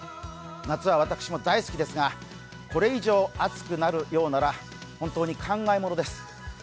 夏は私も大好きですがこれ以上暑くなるようなら、本当に考えものです。